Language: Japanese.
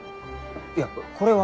いやこれは。